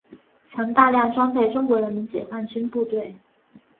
曾大量装备中国人民解放军部队。